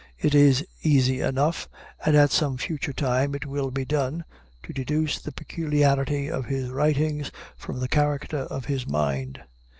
It is easy enough, and at some future time it will be done, to deduce the peculiarity of his writings from the character of his mind.